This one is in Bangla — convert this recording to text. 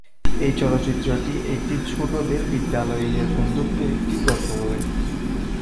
এই চলচ্চিত্রটি একটি ছোটদের বিদ্যালয়ের বন্ধুত্বের একটি গল্প বলে।